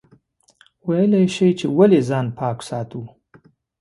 ویلای شئ چې ولې ځان پاک ساتو؟